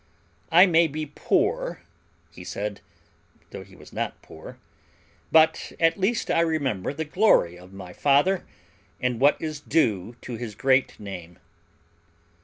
"I may be poor," he said though he was not poor "but at least I remember the glory of my father and what is due to his great name."